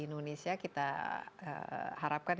indonesia kita harapkan